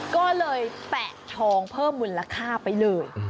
ก็เลยแปะทองเพิ่มมูลค่าไปเลย